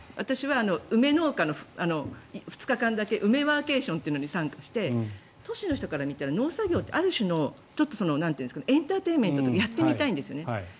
梅農家の梅ワーケーションというのに参加して、都市の人からしたら農作業って、ある種のエンターテインメントというかやってみたいんですね。